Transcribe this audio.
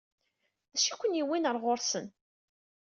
D acu i ken-yewwin ɣer ɣur-sen?